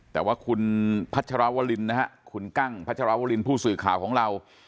แต่ว่าคุณพัชรวรินนะฮะคุณกั้งพัชรวรินผู้สื่อข่าวของเรา